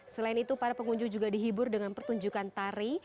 selain itu para pengunjung juga dihibur dengan pertunjukan tari